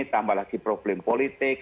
tambah lagi problem politik